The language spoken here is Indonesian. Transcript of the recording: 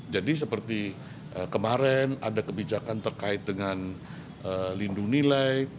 jadi seperti kemarin ada kebijakan terkait dengan lindung nilai